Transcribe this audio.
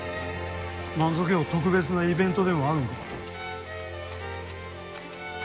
なんぞ今日特別なイベントでもあるんか？